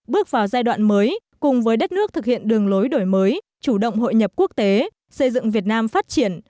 bước vào giai đoạn mới cùng với đất nước thực hiện đường lối đổi mới chủ động hội nhập quốc tế xây dựng việt nam phát triển